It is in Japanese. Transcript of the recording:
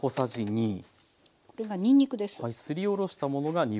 これがにんにくです。